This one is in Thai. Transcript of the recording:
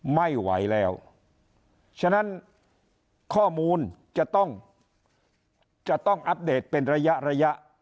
ไม่ไหวแล้วฉะนั้นข้อมูลจะต้องอัปเดตเป็นระยะ